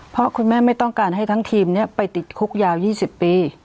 เพราะคุณแม่ไม่ต้องการให้ทั้งทีมไปติดคุกยาว๒๐ปี